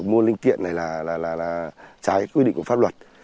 mua linh kiện này là trái quy định của pháp luật